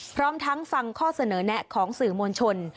พร้อมทั้งฟังข้อเสนอแนะของสื่อมวลชน